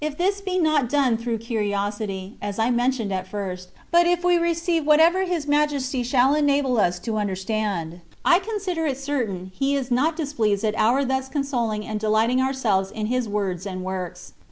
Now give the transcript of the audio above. this be not done through curiosity (as I mentioned at first), but if we receive whatever His Majesty shall enable us to understand, I consider it cer tain He is not displeased at our thus consoling and delighting ourselves in His words and works.